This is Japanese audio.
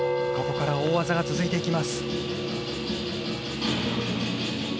ここから大技が続いていきます。